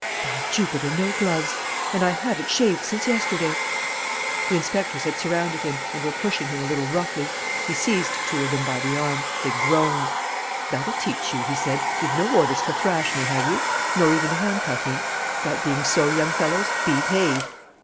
"By Jupiter, no gloves; and I haven't shaved since yesterday!" The inspectors had surrounded him and were pushing him a little roughly. He seized two of them by the arm. They groaned. "That'll teach you," he said. "You've no orders to thrash me, have you? Nor even to handcuff me? That being so, young fellows, behave!"